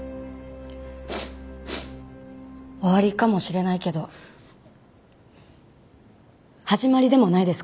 終わりかもしれないけど始まりでもないですか？